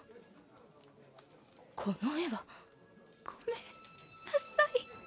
この絵は。ごめんなさい。